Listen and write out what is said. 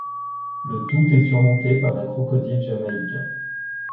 Le tout est surmonté par un Crocodile jamaïcain.